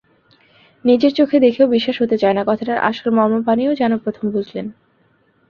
নিজের চোখে দেখেও বিশ্বাস হতে চায় না—কথাটার আসল মর্মবাণীও যেন প্রথম বুঝলেন।